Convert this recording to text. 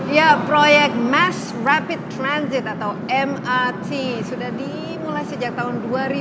ya proyek mass rapid transit atau mrt sudah dimulai sejak tahun dua ribu dua